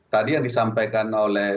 tadi yang disampaikan oleh